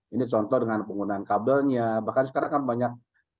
ini contoh dengan penggunaan kabelnya bahkan sekarang kan banyak